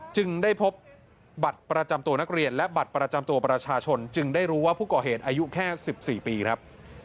จึงได้พบบัตรประจำตัวนักเรียนและบัตรประจำตัวประชาชนจึงได้รู้ว่าผู้ก่อเหตุอายุแค่๑๔ปีครับ